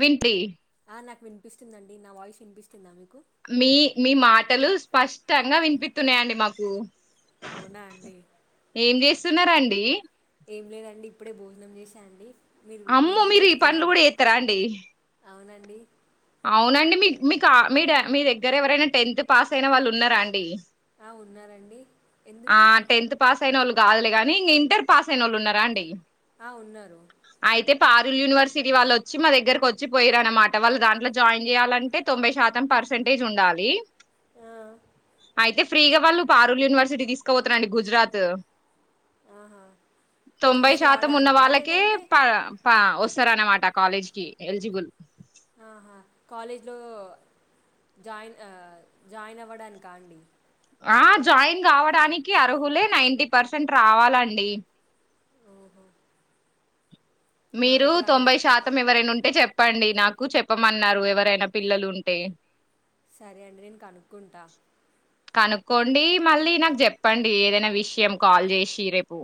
Win ట్లి ఆ నాకు వినిపిస్తుందిందండి నా వాయిస్ వినిపిస్తుందా మీకు మీ మీ మాటలు స్పష్టంగా వినిపిత్తు న్నాయండి మాకు అవునా అండి తీన్నరండి ఏం లేదండి ఇప్పుడే భోజనం చేసా అండి మీరు అమ్మ మీరేం మీరు ఈ పనులు కూడా ఎత్తరా అండి అండి అవునండి. మీ మీకు మీ మీ దగ్గర ఎవరైనా టెన్త్ పాస్ అయిన వాళ్ళు ఉన్నారా అండి ఆ ఉన్నారండి ఆ ఎందుకు టెన్త్ పాస్ అయిన వాళ్ళు కాదులే గాని ఇంగా ఇంటర్ పాస్ అయిన వాళ్ళు ఉన్నరా అండి ఆ ఉన్నారు అయితే పారుల్ యూనివర్సిటీ వాళ్ళు వోచ్చి మా దగ్గర వోచ్చి పొయ్యిర్రు అన్న మాట వాళ్ళ దాంట్ల జాయిన్ చేయాలంటే తొంభై శాతం పర్సంటేజ్ ఉండాలి. ఆ అయితే ఫ్రీగా వాళ్ళు పారూల్ యూనివర్సిటీ తీసుకపోతరండి గుజరాత్ ఆహా తొంభై చూసి శాతం ఉన్న రావడానికా వాళ్ళకే లేదంటే ప ప వస్త స్తార్ అనమాట కాలేజ్ కి ఎలిజిబుల్ ఆహా కాలేజ్లో జాయిన్ ఆ జాయిన్ అవ్వడానికా అండి ఆ జాయిన్ కావడానికి అర్హులే నైన్ంటీ పర్సెంట్ రావాలండి. ఓహో మా మీరు దగ్గర అన్- తొంభై శాతం ఎవరైనా ఉంటే చెప్ చెప్పండి. నాకు చెప్పమన్నారు ఎవరైనా పిల్లలు ఉంటే సరే అండి నేను కనుక్కుంటా కనుక్కోండి. మళ్ళీ నాకు చెప్పండి ఏదైనా విషయం కాల్ చేసి రేపు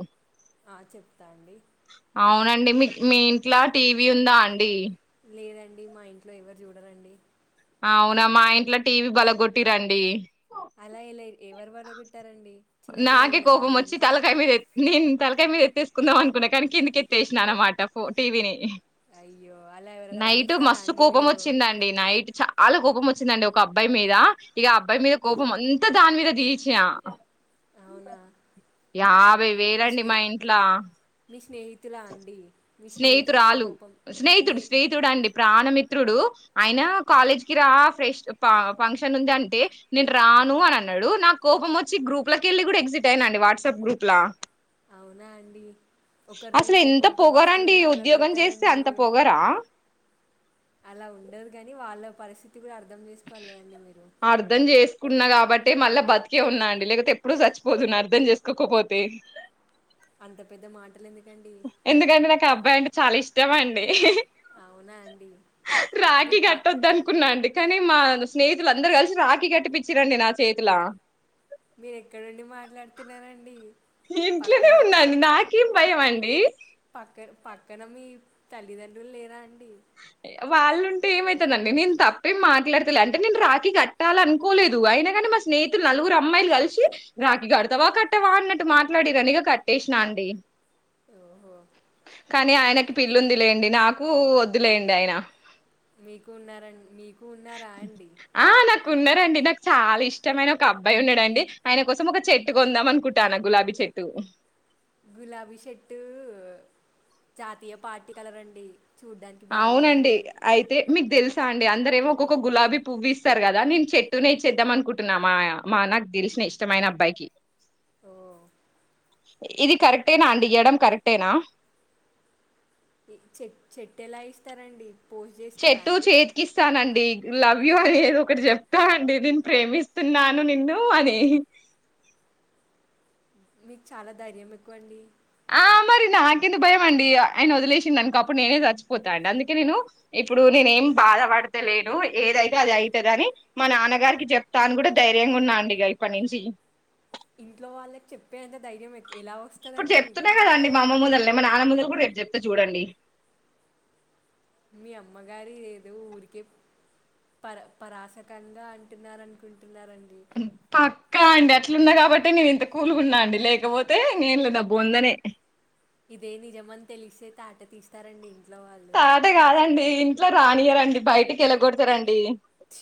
ఆ చెప్తా అండి అవునండి మీక్ మీ ఇంట్ల టీవీ ఉందా అండి లేదండి మా ఇంట్లో ఎవరు చూడారండి. అవునా మా ఇంట్లో టీవీ బలగొట్టిరండి అలా ఎలా ఎవరు పలగొట్టారండి నాకే కోపం వచ్చి తలకాయ మీద నిన్ తలకాయ మీద ఎత్తేసుకుందాం అనుకున్నా కానీ కిందికెత్తేేసినా అనమాట ఫో టీ వీ ని అయ్యో అలా ఎవరైనా పడేస్తారా అండి కోపం మీరు వచ్చిందండి నైట్ చాలా కోపం వచ్చిందండి ఒక అబ్బాయి మీద ఇగ అబ్బాయి మీద కోపం అంతా దాని మీద తీచిఆ అవునా యాభై మీ వేలండి స్నే మా ఇంట్ల మీ స్నేహితులా అండి మీ స్నేహితుల మీద స్నేహితురాలు కోపం మీ స్నేహితుడు స్నేహితుడు అండి ప్రాణమిత్రుడు అయినా కాలేజ్ కి రా ఫ్రెష్ ఫంక్షన్ ఉంది అంటే నేను రాను అని అన్నాడు నా కోపమొ గ్రూప్ ల కెళ్ళి కూడా ఎగ్జిట్ అయినా అండి వాట్సాప్ గ్రూప్లా అవునా అండి ఒకరి మీద అసలు ఎంత కోపంతో వస్తువు పొగరండి ఎలా ఉద్యోగం చేస్తే పలగ్గొట్టారండి అంత మీరు పొగరా అలా ఉండదు కాని వాళ్ళ పరిసి స్థితి కూడా అర్థం చేసుకోవాలి కదండి మీరు కున్నా కాబట్టి మళ్ళా బతికే ఉన్నా అండి లేకపోతే ఎప్పుడూ చచ్చిపోతును అర్థం చేసుకోకపోతే అంత పెద్ద మాటలు ఎందుకండి ఎందుకంటే నాకు అబ్బాయంటే చాలా ఇష్టమండి అవునా అండి మీ రాఖీ ప కట్టొదు అనుకున్నా అండి కాని మా స్నేహితులు అందరూ కలిసి రాఖీ కట్టిపిచ్చిర్రండి నా చేతిల మీరెక్కడుండి మాట్లాడుతున్నారండి ఇంట్లోనే పక్కన ఉన్నా అండి నా కిం భయం అండి క్కన మీ తల్లిదండ్రులు లేరా అం అ వాళ్ళుంటే ఏమైతదండి నేను తప్పేం మాట్లాడతలే అంటే నేను రాఖీ కట్టాలనుకోలేదు అయినా కాని మా స్నేహితులు నలుగురు అమ్మాయిలు కలిసి రాఖీ కడతావా కట్టవా అన్నట్టు మాట్లాడిర్రనిగ కట్టేసినా అండి ఓహో కానీ ఆయనకి పిల్లుంది లేండి నాకు ద్దులేండి అయినా మీకు ఉన్నార మీకు ఉన్నారా అండి న్నారండి నాకు చాలా ఇష్టమైన ఒక అబ్బాయి ఉన్నాడండి ఆయన కోసం ఒక చెట్టు కొందాం అనుకుంటానా గులాబీ చెట్టు గులాబీ చెట్టు జాతీయ పార్టీ కలర్ అండి చూడ్డానికి అవునండి బాగోదండి అయితే మీకు తెలుసా అండి అందరేమో ఒక్కొక్క గులాబీ పువ్వు ఇస్తారు కదా నేను చెట్టునేే చేద్దాం అనుకుంటున్నా మా మా నాకు తెలిసిన ఇష్టమైన అబ్బాయికి ఓ ఇది కరెక్టేనా అండి ఇయ్యడం కరెక్టేనా ఈ చె చెట్టెలా ఇస్తారండి పోస్ట్ చేస్తారా చెట్టు అండి చేతికిస్తానండి లవ్ యూ అనేది ఒకటి చెప్తా అండి దీని ప్రేమిస్తున్నాను నిన్ను అని మీకు చాలా ధైర్యం ఎక్కువండి ఆ మరి నాకెందుకు భయం అండి ఆయన వదిలేసిండనుకో అప్పుడు నేనే చచ్చిపోతా అండి అందుకే నేను ఇప్పుడు నేనేం బాధపడతలేను ఏదైతే అది ఐతదది మా నాన్నగారికి చెప్తా అని కూడా ధైర్యంగున్నా అండి ఇక ఇప్పటి నుంచి ఇంట్లో వాళ్ళకి చెప్పేంత ధైర్యం ఎ ఇప్పుడు చెప్తున్నా కదండి మా అమ్మ ముందల్నే మా నాన్న ముందల్నే రేపు చెప్తా చూడండి మీ అమ్మగారి ఏదో ఊరికే పర పరాశకంగా అంటున్న అనుకుంటు పా కా అండి అట్లున్న కాబట్టే నేను ఇంత కూల్గున్న అండి లేకపోతే నేనులో నా బొందనే ఇదే నిజమని తెలిస్తే తాట తీస్తారండి. ఇంట్లో వాళ్ళు తాట కాదండి. ఇట్ల రానియ్యారండి బయటికి వెళ్ళగొడతారండి ష్.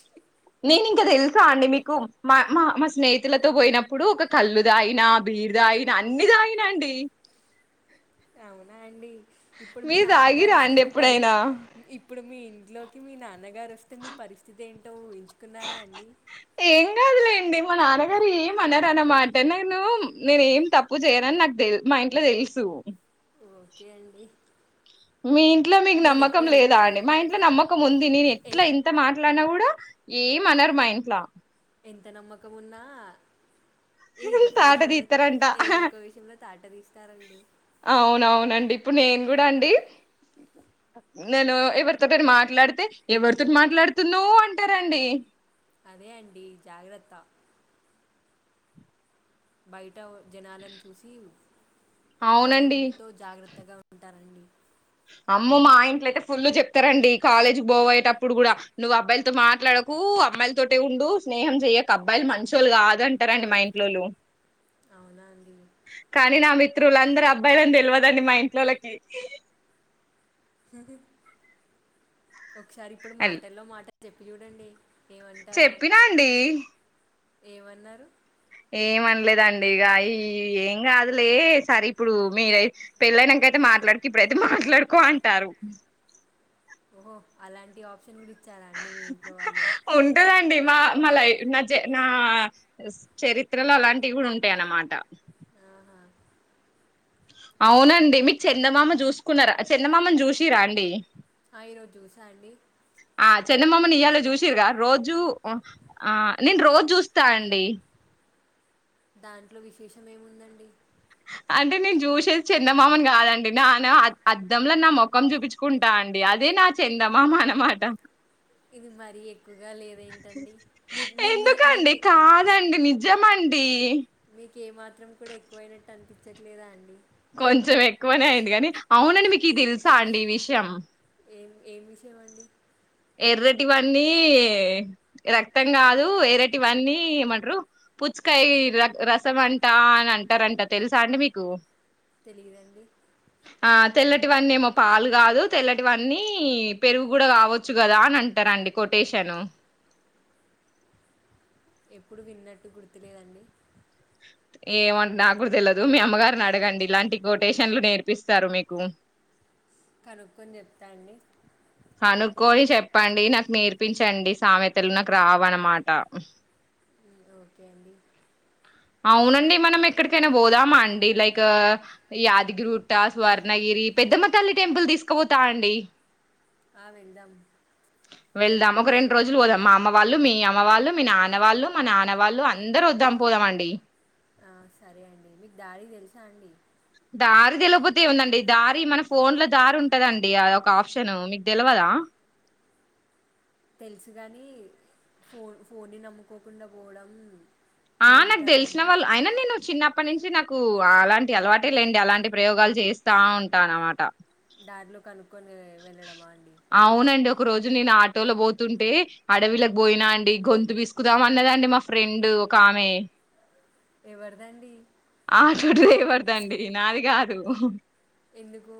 నేను ఇంకా తెల్సా అండి మీకు మా మా మా స్నేహితులతో పోయినప్పుడు ఒక కళ్ళు తాగనా బీర్ తాగనా అన్ని తాగిన అండి అవునా అండి ఇప్పుడు మీ మీరు నాన్నగారు తాగిరా వస్తే అండి మీ పరి ఎప్పుడైనా ఇప్పుడు మీ ఇంట్లోకి మీ నా న్నగారొస్తే మీ పరిస్థితి ఏం కున్నారా అండి ఏం కాదులేండి మా నాన్నగారు ఏం అనరన్నమాట. నేను నేను ఏం తప్పు చేయనని నాకు తె మా ఇంట్ల తెల్సు ఓకే అండి మీ ఇంట్లో మీకు నేను నమ్మకం ఎప్పుడు అల్ లేదా అండి మా ఇంట్లో నమ్మకం ఉంది నేను ఎ ఎట్లా ఇంత మాట్లాడినా కూడా ఏ అనరు మా ఇంట్లా ఎంత నమ్మకం ఉన్నా ఏదొ ఒక తాట విషయంలో తీస్తారంట ఏదో ఒక విషయంలో తాట తీస్తారండి అవునవునండి ఇప్పుడు నేన్ గుడా అండి నేను ఎవరితో మాట్లాడితే ఎవరితోటి మాట్లాడుతున్నావ్ అంటారండి అదే అండి జాగ్రత్త బైట్ ట జనాలను చూసి అవునండి భయంతో జాగ్రత్తగా ఉంటారండి అమ్మో మా ఇంట్లయితే ఫుల్ చెప్తారండి. కాలేజ్ పోయేటప్పుడు కూడా నువ్వు అబ్బాయిలతో మాట్లాడకు అమ్మాయిలతోటే ఉండు స్నేహం చెయ్యక అబ్బాయిలు మంచోళ్ళ కాదంటారండి మా ఇంట్లోల్లు అవునా అండి నా మిత్రులందరూ అబ్బాయిలని తెల్వదండి మా ఇంట్లోలకి సరే ఒకసారి ఇప్పుడు అల్- మాటల్లో మాట చెప్పి చూడండి ఏమంటారో చెప్పినా అండి ఏమన్నారు. ఏమన్లేదండి ఇగ ఈ ఏం కాదులే సరే ఇప్పుడు మీర్ పెళ్లైనంకయితే మాట్లాడకు ఇప్పుడైతే మాట్లాడుకో అంటారు. ఓహో అలాంటి ఆప్షన్ గుడ ఉంటదండి మా మళ్ళ నా జ నా చరిత్రలో అలాంటివి కూడా ఉంటాయన్నమాట ఆహా అవ్నండి మీకు చందమామ చూసుకున్నారా చందమామని చూసిన్రా అండి ఆ, ఈరోజు చూసా అండి ఆ చందమామని ఇయల చూస్ గా రోజు ఆ నేను రోజు చూస్తా అండి దాంట్లో విశేషం ఏముందండి అంటే నేను చూసేది చందమామని కాదండి నాన అద్దంలో నా మొఖం చూపించుకుంటా అండి అదే నా చందమామ అన్నమాట ఇది మరీ ఎక్కువగా లేదేంటండి మీ మీ మీ మీకు డి మీకు ఏ మాత్రం కూడా ఎక్కువయినట్టు అనిపించట్లేదా అండి కొంచెం ఎక్కువనే అయింది కానీ అవునండి మీకు ఈ తెలుసా అండి ఈ విషయం ఏం విషయంమండి ఎర్రటివన్నీ రక్తం కాదు ఎర్రటివన్నీ ఏమంటారు పుచ్చుకాయ రసం అంట అని అంటారంట తెలుసా అండి మీకు తెలియదండి తెల్లటివన్ని ఏమో పాలు కాదు తెల్లటివన్నీ పెరుగు కూడా కావచ్చు చ్చు కదా అని అంటారండి కొటేషను ఎప్పుడు విన్నట్టు గుర్తులేదండి ఏమో అండి నాకుడా తెల్వదు మీ అమ్మగారిని అడగండి ఇలాంటి కొటేషన్లు నేర్పిస్తారు మీకు కనుక్కొని చెప్తాండి కనుక్కొని చెప్పండి నాకు నేర్పించండి సామెతలు నాకు రావన్నమాట ఉమ్, ఓకే అండి అవునండి మనం ఎక్కడికైనా పోదామా అండి లైక్ క యాదగిరిట్ట స్వర్ణగిరి పెద్దమ్మ తల్లి టెంపుల్ తీసుకుపోతా అండి ఆ వెళ్దాము వెళ్దాం ఒక రెండు రోజులు పోదాం మా అమ్మ వాళ్ళు మీ అమ్మ వాళ్ళు మీ నాన్న వాళ్ళు మా నాన్న వాళ్ళు అందరు వద్దాం పోదామం డి సరే అండి మీకు దారి తెలుసా అండి దారి తెల్వపోతే ఏముందండి దారి మన ఫోన్ ల దారి ఉంటదండి అదొ ఒక ఆప్షన్ మీకు తెలువదా తెలుసు కానీ ఫోన్ ఫోన్ని నమ్ముకోకుండా పోవడం ఆ మేలు నాకు కదా తెలిసిన అని వాళ్ళు అయిన నేను చిన్న అప్పటి నుంచి నాకు అలాంటి అలవాటే లేండి అలాంటి ప్రయోగాలు చేస్తా ఉంటా అనమాట కార్ లో కను కొన్ని వెళ్ళడమా అండి దు నేను ఆటోలో పోతుంటే అడవిలకి బోయినా అండి గొంతు పీసుకుదాం అన్నదండి మా ఫ్రెండ్ ఒక ఆమె ఎవరిదండి ఆటో డ్రైవర్ దండి నాది కాదు ఎందుకు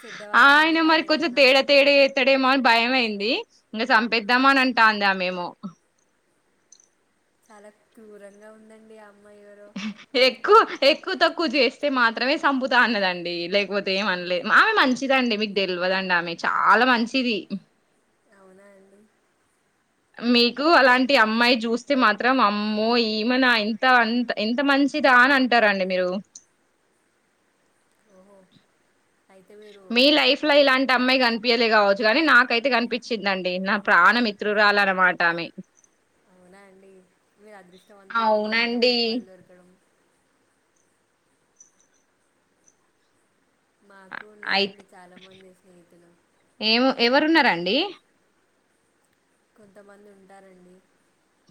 చెడ్డవారా అండి ఆయన మరి వాళ్ళు కొంచం ఏమన్నా తేడా తేడే చేతడేమో అని భయం అయింది ఇంకా చంపేద్దామ అని అంటాంది ఆ మేమొ చాలా క్రూరంగా ఉందండి ఆ అమ్మాయి ఎవరో ఎక్కువ ఎక్కువ తక్కువ చేస్తే మాత్రమే సంపుతా అన్నదండి లేకపోతే ఏమన్లే ఆమె మంచిదండి మీకు తెల్వ దండి ఆమె చాలా మంచిది అవునా అండి మీకు అలాంటి అమ్మాయి చూస్తే మాత్రం అమ్మో ఈమెనా ఇంత అంత ఇంత మంచిదా అని అంటారండి మీరు ఓహొ మీ లైఫ్ లో ఇలాంటి అమ్మాయి కనిపి యలే కావచ్చు కాని నాకైతే కనిపించిందండి నా ప్రాణ మిత్రురాలు అన్నమాట ఆమె అవునా అండి మీరు అదృష్టవంతులండి అంత అవునండి మంచి వాళ్ళు దొరకడం మాకు అయి ఉన్నారంండి చాలామంది స్నేహితులు రండి కొంతమంది ఉంటారండి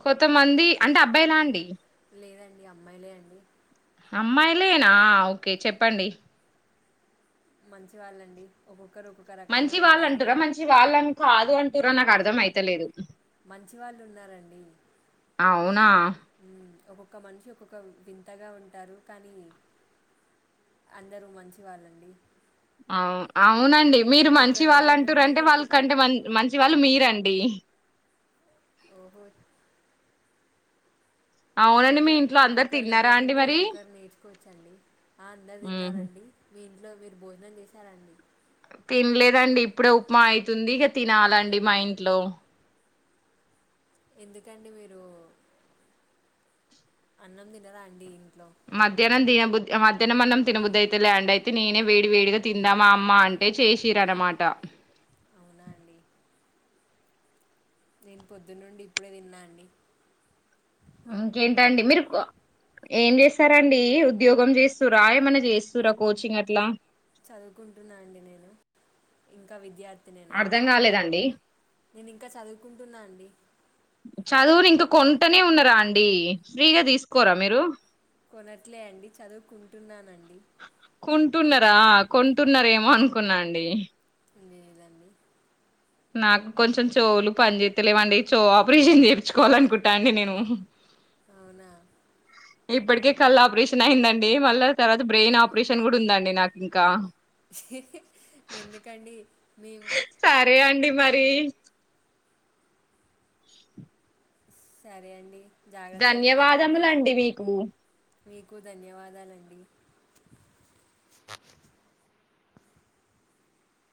కొంతమంది అంటే అబ్బాయిలా అండి లేదండి అమ్మాయిలే అండి అమ్మాయిలేనా ఓకే చెప్పండి మంచి వాళ్ళండి ఒక్కొక్క రకంగా మంచి ఉంటారు వాళ్ళుంటర మంచి వాళ్ళన్ కాదు అంటార నాకు అర్థం అయితలేదు మంచి వాళ్ళు ఉన్నారంండి అవునా ఒక ఒక మనిషి ఒక్కొక్క వింతగా ఉంటారు కానీ అందరూ మంచి వాళ్ళండి అవువును [unintelligible] అవునండి మీరు మంచి ఒక్కొక్కరి వాళ్ళు దగ్గర నుండి అంటురంటే వాళ్ళ ఒక్కొక్కరు కంటే మ మంచి వాళ్ళు మీరండి అడి ఓహో అవునండి ఒక్కొక్క మీ ఇంట్లో అందరు ఒక్కొక్కరి దగ్గర తిన్నారా అండి నుండి మరి ఒక్కొక్కరు నేర్చుకోవచ్చండి ఆ అందరు హుహు. తిన్నారండి మీ ఇంట్లో మీరు భోజనం చేశారండి తినలేదండి ఇప్పుడే ఉప్మా అవుతుంది ఇక తినాలండి మా ఇంట్లో ఎందుకండి మీరు అన్నం తినరాా అండి ఇంకా మధ్యాహ్నం దిన బుద్ధి మధ్యాహన అన్నం తినబద్దు అయితే ల్యాండి అయితే నేనే వేడి వేడిగా తిందామా అమ్మ అంటే చేసిరనమాట అవునా అండి నేను పొద్దున్న నుండి ఇప్పుడే తిన్నా అండి ఇంకేంట అండి మీరు ఏం చేస్తారాండి ఉద్యోగం చేస్తరా ఏమైన్నా చేస్తార కోచింగ్ అట్లా చదువుకుంటున్నా అండి నేను ఇంకా విద్యార్థి నేను అర్ధం కాలేదండి నేను ఇంకా చదువుకుంటున్నా అండి చదువుని ఇంకా కొంటనే ఉన్నరా అండి ఫ్రీగా తీసుకోరా మీరు కొనట్లే అండి చదువుకుంటున్నానండి అనుకున్నాండి లేదండి నాకు కొంచెం చౌవులు పని చేస్తలేవండి చౌవు ఆపరేషన్ చేయించుకోవాల అనుకుంటా అండి నేను అవునా ఇప్పటికే కళ్ళ ఆపరేషన్ అయిందండి మళ్ళా తర్వాత బ్రెయిన్ ఆపరేషన్ కూడా ఉందండి నాకు ఇంకా ఎందుకండి మీ సరే అండి మరి - [unintelligible] [inaudible] సరే అండి జాగ్రత్తగా ఉండండి ధన్యవాదములండి మీకు మీకు ధన్యవాదాలండి